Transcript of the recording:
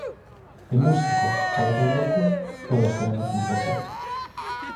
De músico, poeta y loco, todos tenemos un poco.